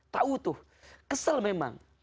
tau tuh kesel memang